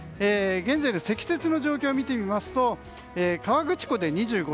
現在の積雪の状況を見てみますと河口湖で２５ｃｍ